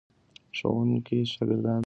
ښوونکي شاګردانو ته لارښوونه کوي.